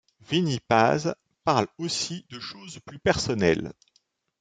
Vinnie Paz parle aussi de choses plus personnelles.